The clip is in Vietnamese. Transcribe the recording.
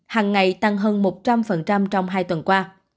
hàng ngày tăng hơn một trăm linh trong hai tuần qua